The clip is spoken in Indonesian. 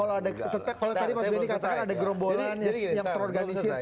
kalau tadi mas benik katakan ada gerombolannya yang terorganisasi